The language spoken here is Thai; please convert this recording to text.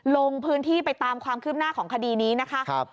ลงพื้นที่ไปตามความคืบหน้าของคดีนี้นะคะ